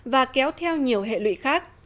và kéo theo nhiều hệ lụy khác